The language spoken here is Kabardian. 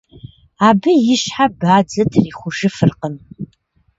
Абы и щхьэ бадзэ трихужыфыркъым.